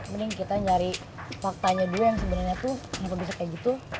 mending kita nyari faktanya dulu yang sebenarnya tuh bukan bisa kayak gitu